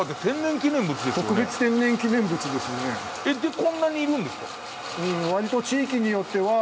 でこんなにいるんですか？